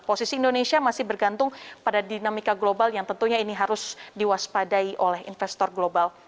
posisi indonesia masih bergantung pada dinamika global yang tentunya ini harus diwaspadai oleh investor global